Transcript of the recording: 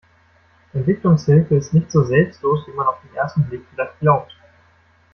Entwicklungshilfe ist nicht so selbstlos, wie man auf den ersten Blick vielleicht glaubt.